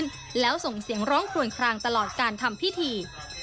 นอนกับพื้นแล้วส่งเสียงร้องคลวนคลางตลอดการทำพิธี